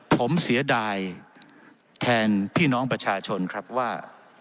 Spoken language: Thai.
ผมเสียดายแทนพี่น้องประชาชนครับว่า